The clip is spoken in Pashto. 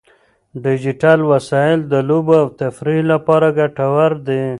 ډیجیټل وسایل د لوبو او تفریح لپاره ګټور دي.